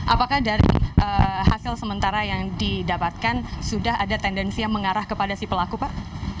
apakah dari hasil sementara yang didapatkan sudah ada tendensi yang mengarah kepada si pelaku pak